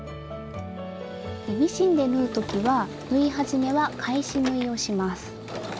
ミシンで縫う時は縫い始めは返し縫いをします。